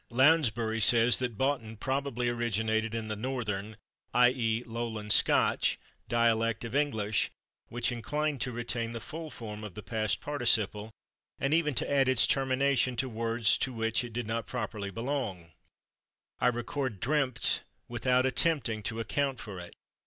Lounsbury says that /boughten/ probably originated in the Northern [/i. e./, Lowland Scotch] dialect of English, "which ... inclined to retain the full form of the past participle," and even to add its termination "to words to which it did not properly belong." I record /dreampt/ without attempting to account for it.